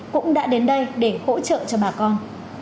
cũng đã đến đây để hỗ trợ cho bà con